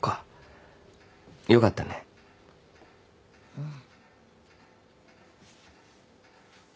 うん。